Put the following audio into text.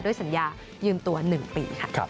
สัญญายืมตัว๑ปีค่ะ